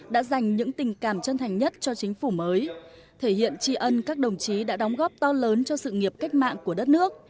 đã dành những tình cảm chân thành nhất cho chính phủ mới thể hiện tri ân các đồng chí đã đóng góp to lớn cho sự nghiệp cách mạng của đất nước